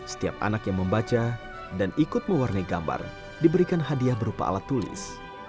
setiap anak yang membaca dan ikut mewarnai gambar diberikan hadiah berupa alat tulis